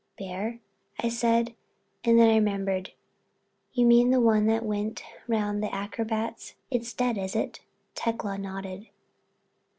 '" "Bear?" I said, and then I remembered. "You mean the one that went round with the acrobats. It's dead, is it?" Tecla nodded.